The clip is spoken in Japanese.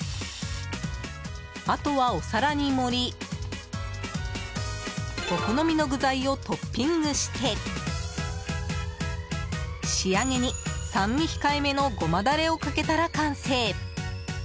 あとはお皿に盛りお好みの具材をトッピングして仕上げに、酸味控えめのゴマダレをかけたら完成！